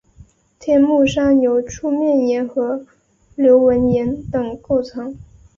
天目山由粗面岩和流纹岩等构成。